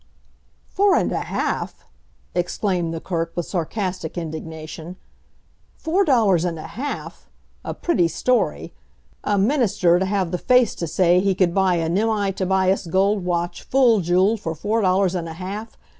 "Four and a half!" exclaimed the clerk, with sarcastic indignation; "Four dollars and a half! A pretty story! A minister to have the face to say he could buy an M. I. Tobias gold watch, full jeweled, for four dollars and a half!